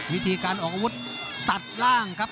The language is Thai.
วิธีการออกอาวุธตัดล่างครับ